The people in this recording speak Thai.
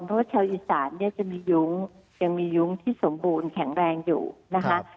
เพราะว่าชาวอีสานเนี่ยจะมียุ้งยังมียุ้งที่สมบูรณ์แข็งแรงอยู่นะคะ